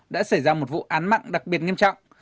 đã xảy ra một vụ án mạng đặc biệt nghiêm trọng